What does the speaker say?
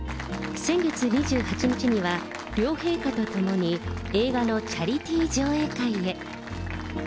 先月２８日には、両陛下と共に映画のチャリティー上映会へ。